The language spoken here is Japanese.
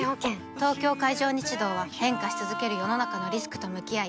東京海上日動は変化し続ける世の中のリスクと向き合い